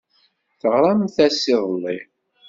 Teɣramt-as iḍelli?